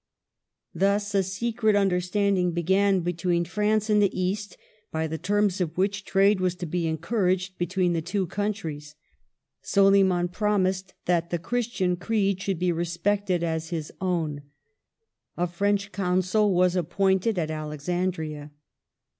Thus a secret understanding began between France and the East, by the terms of which trade was to be encouraged between the two countries. Soliman promised that the Christian creed should be respected as his own. A French Consul was appointed at Alexandria.